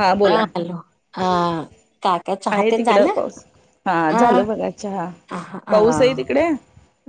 हा बोला, हॅलो अ काका चहा आहे तेन तिकड झालं पाऊस. हा अ झाल बघा चहा, हा पाऊस आहे तिकडे?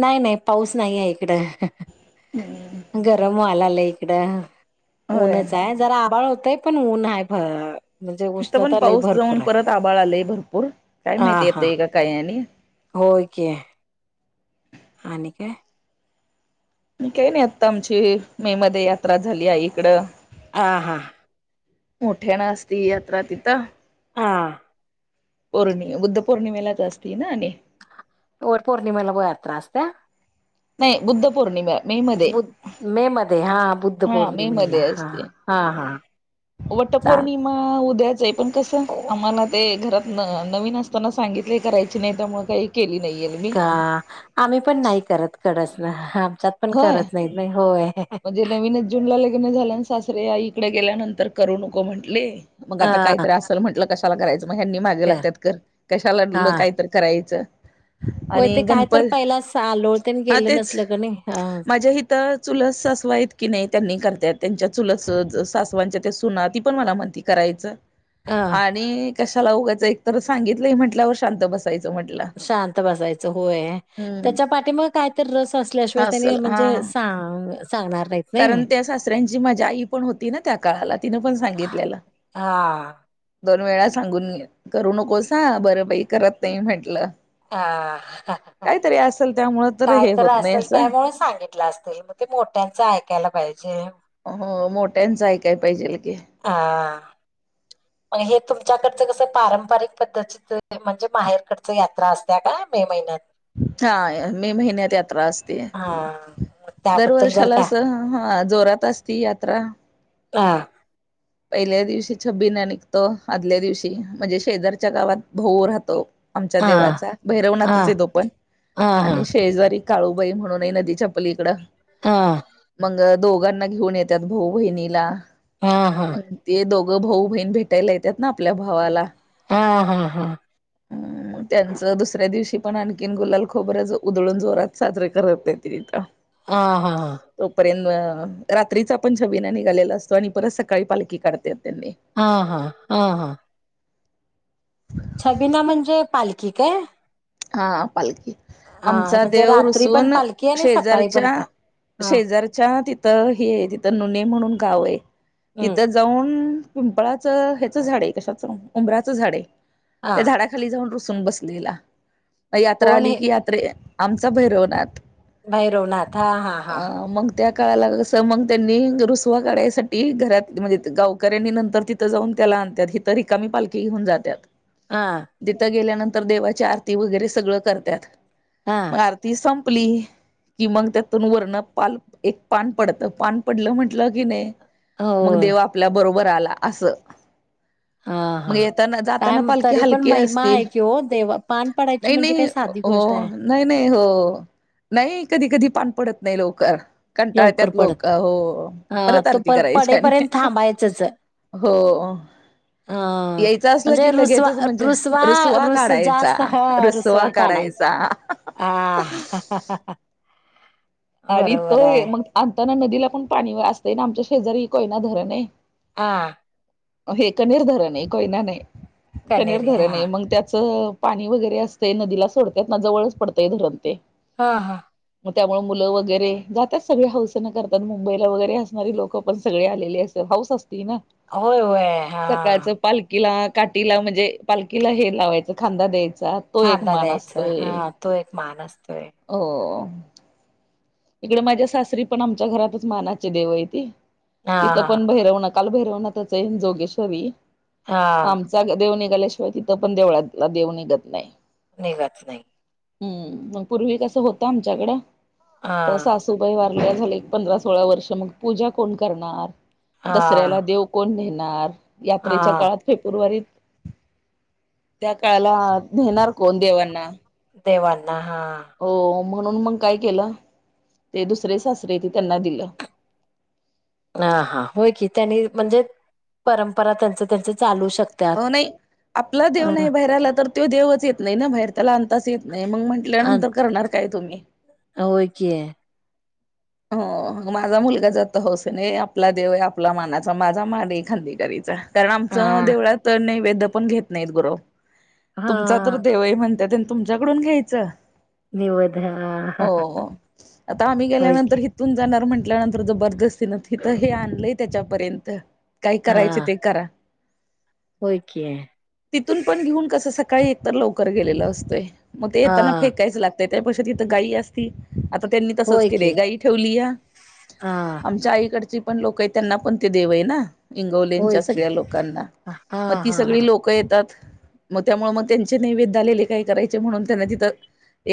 नाही नाही पाऊस नाही आहे इकडं गरम व्हालाला इकडं. होय. ऊनच आहे जरा आबाळ होतय पण ऊन आहे भ म्हणजे आता पण उष्णता लय पाऊस भरपूर जाऊन आहे परत आबाळ आलाय भरपूर काय हा माहिती हा येतय का काय आणि होय की. आणि काय? काय नाही आता आमची मे मध्ये यात्रा झाली आई कडं. आ हां. मोठ्यांन असती यात्रा तिथं. हां. पौर्णि बुद्ध पौर्णिमेला असती ना आणि वर पौर्णिमेला [unintelligible] यात्रा असत्या. नाही बुद्ध पौर्णिमे बुद मे मध्ये हा बुद्ध हा मे मध्ये पौर्णिमेला हा असते. हा हा. चाल वटपौर्णिमा उद्याच आहे पण कस आम्हाला ते घरात न नवीन असताना सांगितलय करायचे नाही त्यामुळ काही केली नाहीये मी का, आम्ही पण नाही करत कडसन आमच्यात पण होय करत नाहीत. नाही होय. म्हणजे नविनच जून ला लग्न झाल आणि सासरे आई कडे गेल्यानंतर करू नको म्हटले. मग आता अ कायतरी असल म्हटलं, कशाला करायचं मग ह्यांनी माग लागतात कर कशाला कायतरी करायचं. वय आणि ते काय गणप तर पहिला सालोळतेनी गेलं नसल का नाही, हा. तर चुलस सासवा आहेत की नाही त्यांनी करत्यात, त्यांच्या चुलत सासवांच्या त्या सुना, ती पण मला म्हणती करायचं. अ आणि कशाला उगच, एकतर सांगितलय म्हंटल्यावर शांत बसायचं म्हटलं. शांत बसायचं होय. हम्म त्याच्या पाठीमाग काय तर रस असल्याशिवाय त्यांनी असल हा म्हणजे सांग सांगणार नाहीत. कारण, नाही. त्या सासऱ्यांची माझी आई पण होती ना त्या काळाला तिन पण सांगितलेलं. हा दोन वेळा सांगून ये, करू नकोस आ, बरं बाई करत नाही म्हंटलं. हा, काहीतरी असेल त्यामुळ काय हे तर होत नाही असल, असं. त्यामुळ सांगितलं असत. ते मोठ्याचं ऐकायला पाहिजे. हो मोठ्याचं ऐकाय पाहिजेल की. आ, मग हे तुमच्याकडचं कसं पारंपारिक पद्धत [unintelligible] म्हणजे माहेरकडच यात्रा असत्या काय मे महिन्यात? हा मे महिन्यात यात्रा असते. हा मग त्याबद्दल जर दरवर्षाला का असं हा जोरात असती यात्रा. हां पहिल्यां दिवशी छबिना निघतो आदल्या दिवशी म्हणजे शेजांरच्या गावांत भाऊ राहतो आमच्यां हा देवांचा हा भैरवनाथचं आहे तो पणं हा आणि हा शेजारी काळूंबाई म्हणूंन नदीच्या पलीकडे हां मंग दोघांना घेऊंन येतांत भाऊ -बहिणीला हां-हां ते दोघं भाऊ- बहीण भेटांयला येतांत नां आपल्या भावांला हां - हां- हां हम्मं त्यांचं दुसऱ्यां दिवशी पणं आणंखीण गुलाल खोबरचं उकळूंन जोरांत साजरे करतं नाहीं ते तिथं हां-हां-हां तोपर्यंत रात्रीचां आपणं छबीना निघालेला असतो आणि परंत सकाळीं पालखी काढते. त्यांनी हां- हां -हां -हां छबीना म्हणजे पालखी कायं? हां पालखी आमचां म्हणजे देवं रात्री पण रुसून पालखी आणि सकाळी पण पा हा शेजांरच्या-शेजांरच्या तिथं हे तिथं नुने म्हणूंन गावं आहे हम्म तिथंच पिंपळाचं हेचं झाडे आहें उंबराच्या झाडं हा त्यां झाडांखाली खाली जाऊंन रुसूंन बसलेला यात्रा कोण आली हे की यात्रे आमचा भैरवनाथ भैरवनांथ हां- हां -हां- हां त्यां काळांला असं मंग त्यांनी रुसंवा काढण्यांसाठी घरांत म्हणजे गावकऱ्यांनी नंतर तिथन जाऊंन त्यांला आणतांत हहित रिकामी पालीखी घेऊन जातांत हां तिथं गेल्यानंतर देवाची आरती वगैर सगळं करतांत हा मंग आरती संपली कि मंग त्यांतून वरंन पानं एक पानं पडतं पानं पडलं म्हटलं की नाहीं मंग हो देवं आपल्यां बरोबर आंला असं हा मंग हा येतांना- काय जातांना म- पालखी तरी पण हलकी महिमा असते आहे की हो देवां पानं पाड नाहीं- नाहीं -हो हो नाहीं नाहीं हो नाहीं कधीं कधीं पानं पडतं नाहीं लवकरं. लवकर कंटाळत्यांत पडत लोकं हो हा परंत तो आरती पर करांयची आणि. पडेपर्यंत थांबायचंच अ हो, यायचं असलं कि म्हणजे रुसवा लगेयचंच म्हणजे रुसवा रसुंवा रुस काढांयचा. जास्त हा रुसवा रुसुंवा काढांयचा. हां हां हां आणि तो मंग आणतांना नदीला पणं पाणी असतंय नां आमच्या शेजारी कोयना धरणं आहे. हां, हे कनीर धरणं आहे कोयनां नाहीं कनीर कनेरी हा धरणं आहे मंग त्यांचं पाणी वगैरें असतंय नदीला सोडतांत नां जवळचं पडतंय धरणं ते हां- हां मंग त्यांमुळं मुलं वगैरें जातांत सगळे हौसंने करतांत मुंबईला वगैरें असणारी लोकं पणं सगळे आलेले असतांत हाऊस असते. अरे वां होयं होयं हां. पालखीला काठीला म्हणजे पालखीला हे लावायच खांदा द्यायचा. तो एक खांदा मान द्यायचं असतोय. हा तो एक मान असतोय. हो. इकडे माझ्या सासरी पण आमच्या घरातच मानाचे देव आयती. हा तिथं हा पण भैरवनाथ काल भैरवणाथाच आय जोगेश्वरी म हा आमच देव निघाल्याशिवाय तिथं पण देवळातला देव निघत नाय. निघत नाय. हम्म मग पूर्वी कसं होतं आमच्याकडं. हा सासूबाई वारल्या झाल एक पंधरा सोळा वर्ष मग पूजा कोण करणार. हा दसऱ्याला देव कोण न्हेणार यात्रेच्या हा काळात फेपूरवारीत त्या काळाला न्हेणार कोण देवांना. देवांना हा. हो म्हणून मग काय केलं ते दुसरे सासरे आयती त्यांना दिलं. आ हा होय की त्यांनी म्हणजे परंपरा त्यांच त्यांच चालू शक हो नाय आपला देव नाय बाहेर आला तर तो देवच येत नाय ना बाहेर त्याला आनताच येत नाय मग म्हण ल्यानंतर करणार काय तुम्ही. अ होय की. हो. मग माझा मुलगा जात हौसेने ये आपला देव आहे आपल्या मानाचा माझा मान आहे खांदी करीचा. कारण हा आमचं देवळात नैवेद्य पण घेत नायत गुरव हा तुमचा तर देव आय म्हणतात. तुमच्याकडून घ्यायच निवद हा ओ आता आम्ही गेल्या होय नंतर की तीथून जाणार म्हटल्यानंतर जबरदस्तीन हिथं हे आणलंय त्याच्यापर्यंत. काय हा करायची ते करा. होय की. तिथून पण घेऊन कसं सकाळी एकतर लवकर गेलेल असतंय म ते हा येताना फेकायच लाग तय त्या पैक्षा तिथ गायी असती. आता त्यांनी तसच होय केलंय की गायी ठेवलीया. हा आमच्या आईकडची पण लोक आय त्यांना पण त्यो देव आय ना. होय इंगवलेंच्या की सगळ्या लोकांना हा म ती हा सगळी हा लोकं येतात. मग त्यामुळे मग त्यांचे नैवेद्य आलेले काय करायचे म्हणून त्यांन तिथं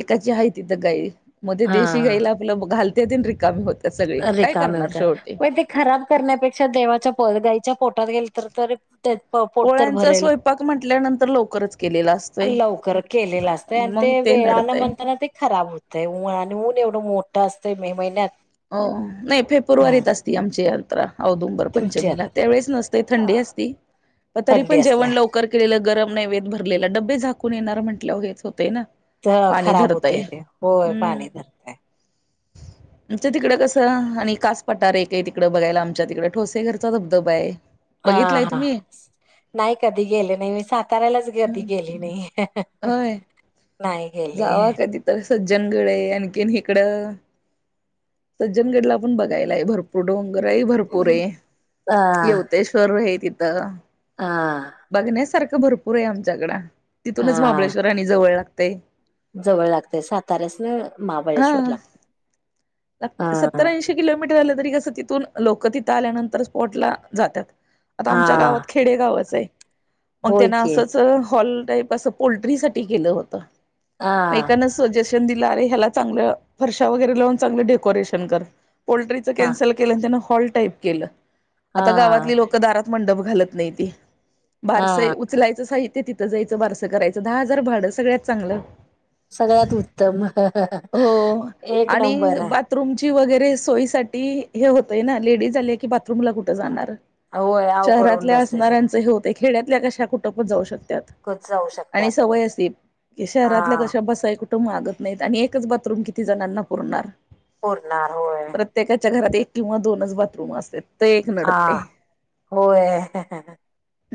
एकाची हाय तीथ गाई म ते देशी हा गाईला आपलं घालतेती आणि रिकामी हो रिकामे होत्यात पण ते खराब करण्यापेक्षा देवाच्या पो गाईच्या पोटात गेले तर तरी त्यात पाव पोळ्यांचा स्वयंपाक म्हटल्यानंतर लवकरच केलेला असतोय. लवकर केलेलं असतय आणि मग ते वेळाला नडतय म्हणताना ते खराब हो तय ऊन आणि ऊन एवढं मोठं असतंय मे महिन्यात. हो, नाय हा फेपुरवारीत असती आमची यांत्रा औदुंबर पंचमीला तुमच्यात त्यावेळीस नस थंडी असती म तरी थंडी पण असत्या जेवण लव कर केलेलं गरम नैवेद्य भरलेलं डब्बे झाकून येणार म्हटलंवर हेच होतय ना. पाणी खराब धरतय होतय ते होय हम्म पाणी धरतय. आमचं तिकडं कसं आणि कस पटार एक आय तिकडं बघायला आमच्या तिकडं ठोसे गरचा धबधबा आय. बघितलाय तुम्ही? नाय कधी गेले नाय मी साताऱ्यालाच कधी हम्म. गेली नाय. होय नाय. जावा कधी तर सज्जनगड ए आणखीन इकडं सज्जनगडला पण बघायला आय भरपूर पु डोंगरही भरपूरे. हा यवतेश्वरये तिथं. हा. बघण्यासारखं भरपूरे आमच्याकड. तिथूनच हा महाबळेश्वर आणि जवळ लागतेय. जवळ लागते साताऱ्यास ना. ह. हा सत्तर आंशी किती किलोमीर आल तरी कस तीतून लोक तिथं आल्यानंतर स्पॉटला जात्यात. आता आमच्या गावात हा की खेडेगावाच आहे. मग होय त्यांना की असंच हॉल टाईप असं पोल्ट्री साठी केलं होत. हा एकान सजेशन दिलं. अरे ह्याला चांगलं फरशा वगैरे लावून, चांगलं डेकोरेशन कर. पोल्ट्री च हा कॅन्सल केलं न त्यांन हॉल टाईप केलं. हा आता गावातील लोक दारात मंडप घालत नाही ती. बारसय हा. उ उचलायचं साहित्य. तिथं जायचं बारसं करायचं. दहा हजार भाडं सगळ्यात चांगलं. सगळ्यात उत्तम. एक नंबर. बाथरूम ची वगैरे सोयी साठी हे होतय ना. लेडीज आले की बाथरूम ला कुठे जाणार. होय अवघड होऊन शहरातल्या बसतय सगळं. असणाऱ्यांच हे होते. खेड्यातल्या कशा कुठपण जाऊ शकतात. कच जाऊ आणि शकतात सवय असते. हा शहरातल्या कशा बस कुठ मागत नाहीत. आणि एकच बाथरूम किती जणांना पुरणार. पुरणार होय. प्रत्येकाच्या घरात एक किंवा दोनच बाथरूम असतात. हा. होय.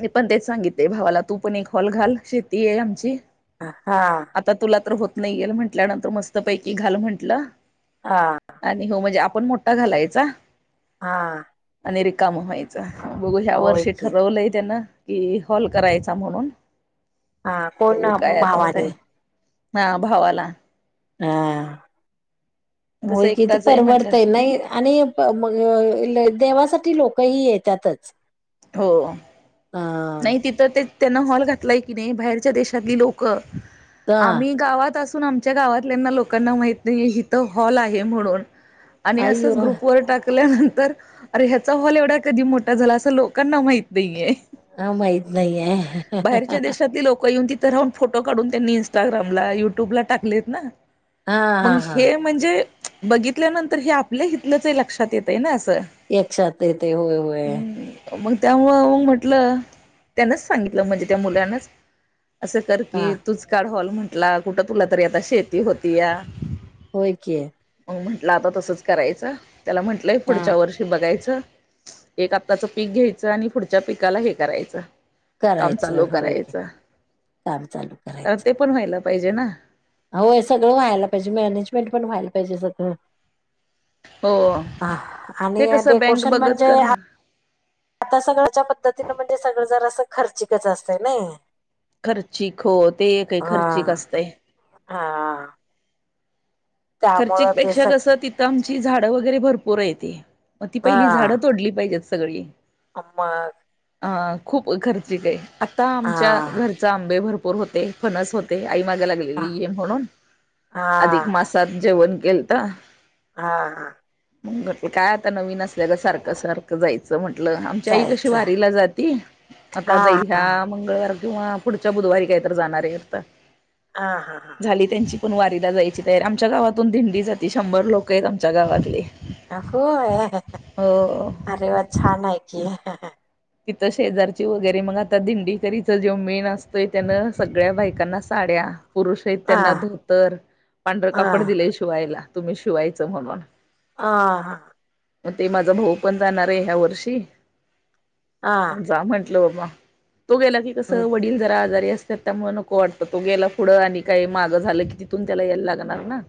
मी पण तेच सांगिते भावाला. तू पण एक हॉल घाल. शेती आहे आमची. हा. आता तुला तर होत नाही येेत म्हटल्यानंतर, मस्तपैकी घाल म्हंटलं. हा. आणि हो म्हणजे आपण मोठा घालायचा. हा. आणि रिकाम व्हायच. बघू ह्या होय वर्षी की ठरवलंय त्यांन. कि हॉल करायचा म्हणून. हा कोण बघू काय आता होतय भावाने? हा भावाला. हा. होय कसं किती एकटाच आहे म्हंटलं परवडतय नाही. आणि म देवासाठी लोकही येतातच. हा. तर त्यांन हॉल घातलाय की नाही. बाहेरच्या देशातली लोक. आम्ही गावात अस सून आमच्या गावातल्याना लोकांना माहित नाहीय. हिथं हॉल आहे म्हणून. आणि अय्यो असंच ग्रुप वर टाक ल्यानंतर अरे ह्याचा हॉल एवढा कधी मोठा झाला? असं लोकांना माहित नाहीय. हा माहीत नाही. बाहेरच्या देशातली लोक येऊन ति थ राहून, फोटो काढून. त्यांनी इस्टाग्रामला, युट्यूबला टाकलेत ना. हा मग हा हा हे म्हणजे बघितल्यानंतर हे आपल्या हितलंचय. लक्षात येते ना असं. याच्यात येते. होय होय. हम्म मग त्यामुळं मग म्हटलं त्यानच सांगितलं ऋम्हणजे त्या मुलानाच. असं कर हा की तूच काढ हॉल म्हंटला. कुठं तुला तरी आता शेती होती या. होय की. मग म्हंटलं आता तसच करायच त्याला म्हटलंय हा पुढच्या वर्षी हे बघायचं एक आताच पीक घ्यायचं आणि पुढच्या पिकाला हे करायच काम करायचं चालू होय की करायचं काम चालू तर ते पण व्हायला पाहिजे ना अहो हे सगळं व्हायला पाहिजे मॅनेजमेंट पण व्हायला पाहिजे सगळ. हो ह ते आणि कसं बँक डेकोशन बघत म्हणजे करणार आता सगळ्याच्या पद्धतीन म्हणजे सगळ जरा असं खर्चिक च असते नाई. खर्चिक हो ते आहे खर्चिक असतय. हा.. खर्चीक त्यामुळं ते पेक्षा सग कस त तर आमची झाडं वगैरे भरपूर आहेेत मग ती पहिली झाडं तोडली पाहिजेत सगळी आम [inaudible] अ खूप खर्चिक आहे आता आमच्या हा घरचे आंबे भरपूर होते फनस होते आई माग हा लागलेली म्हणून अधिक हा मा तर जेवण केलत हा हा. बाकी काय आता नवीन असल्याच गत सारखं, सारखं जायच म्हटलं आमची आई कशी जायचं वारीला जाती आता हा जाईल हा ह्या मंगळवार किंवा पुढच्या बुधवारी काहीत जाणार आहे तर. हा हा हां. झाली त्यांची पण वारीला जायची तयार आमच्या गावातून दिंडी जाते शंभर लोक आहेत आमच्या गावातले. होय हो अरे वा छान आहे की. तिथं शेजारची वगैरे मग आता दिंडीकरीच जोमेण असतोय त्यानं सगळ्या बायकांना साड्या पुरुष आहेत हा त्यांना धोतर पांढर हा कापड दिलेय शिवायला तुम्ही शिवायचं म्हणून. ह हा. मग ते माझा भाऊ पण जाणार आहे ह्या वर्षी. जा म्हंटल बाबा तो गेला कि कस वडील जरा आजारी अस तर त्यामुळे नको वाटत तो गेला पुढं आणि काही मागं झालं की तिथून त्याला यायला लागणार ना.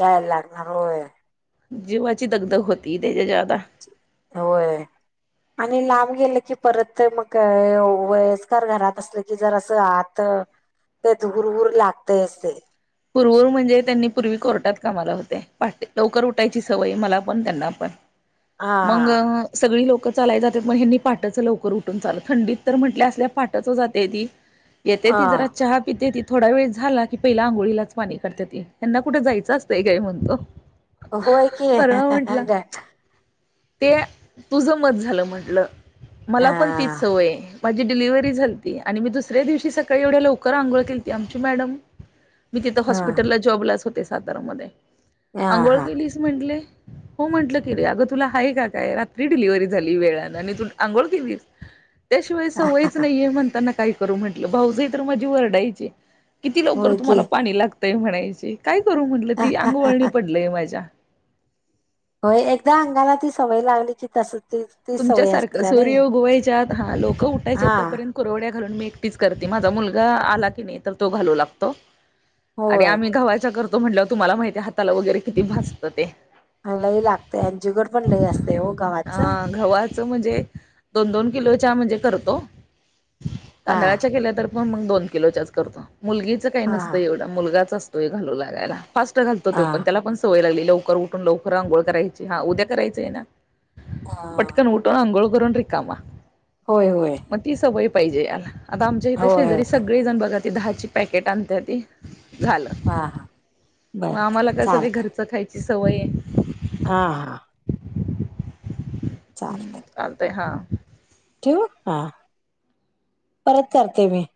याय लागणार होय. जीवाची दगदग होती त्याच्या जदा होय. आणि लांब गेलं की परत मग वयस्कर घरात असलं की जर अस आत तर ते धुरहूर लागते असते पूर्वहुर म्हणजे त्यांनी पूर्वी कोर्टात कामाला होते पा लवकर उठायची सवय मला पण त्यांना पण हा मग हा सगळी लोकं चालाय जातात मग ह्यानी पाटाच लवकर उठून चाललं थंडी तर म्हटल्या असल्या पाटाच जातेती. येते ती हा जरा चहा पिते ती थोडा वेळ झाला की पहिला आंघोळी ला करते ते त्यांना कुठे जायचं असतंय काय म्हणतो होय की हा परवा म्हटला ते तुझं मत झालं म्हटलं मला पण तीच सवय आहे. माझी डिलिव्हरी झालती आणि मी दुसऱ्या दिवशी सकाळी एवढ्या लवकर आंघोळ केलीती आमची मॅडम मी तिथं हा हॉस्पिटलला जॉब लाच होते सातारण मध्ये हा अंघोळ हा केली. म्हटले हो म्हटल केली अग तुला आहे का काय रात्री डिलिव्ही झाली वेळान आणि तू आंघोळ केलीस. त्या शिवाय सवयच नाहीये म्हणताना काय करू म्हटलं भाऊ जाई तर माझी वरडायची किती लवकर होय की तुम्हाला पाणी लागतंय म्हणायचे काय करू म्हटलं ती अंगवळणी पडलय माझ्या. होय, एकदा अंगाला ती सवय लागली की तस ते तुमच्या सारखं... सूर्य ऊगवायच्या आत... हा... लोकं उठायच्या तो हा पर्यंत कुरवड्या घरून मी एकटीच करते... माझा मुलगा आला की नई... तर तो घालू लागतो आणि होय आम्ही घवाच्या करतो म्हटल्यावर... तुम्हाला माहितीये... हाताला वगैरे किती भाजतं ते आणी लई लागतय... आणी जीगट पण लई असतय हो... गव्हाचं घव्हाचं म्हणजे... दोन दोन किलोच्या... म्हणजे करतो... हा तांदळाच्या केल्या तर मग... मग दोन किलोच्याच करतो. मुलगीचं काई हा नसतं एवढं... मुलगाच असतोय घालू लागायला फास्ट घालतो हा त्यो पण... त्याला पण सवय लागली.. लवकर उठुन... लवकर अंघोळ करायची... हा... उद्या करायचंय ना हा पटकन उठून.. आंगोळ करुन रिकामा होय होय मग ती सवय पाहिजे याला... आता आमच्या हीतं होय शेजारीच सगळीजण बघा... ती दहाची पॅकेट आणत्याती... झालं हा हा मग बर बर आम्हाला कसं... ते चालत घरचं खायची सवय ए हा हा चालतय चालतय हा ठीऊ? हा... परत करते मी